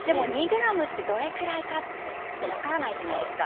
どれくらいかと分からないじゃないですか。